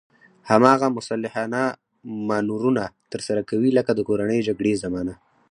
هماغه مسلحانه مانورونه ترسره کوي لکه د کورنۍ جګړې زمانه.